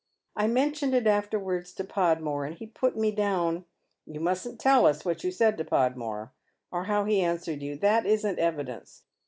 I mentioned it after wards to Podmore, and he put me down "" You mustn't tell us what you said to Podmore, or how ho answered you. That isn't evidence.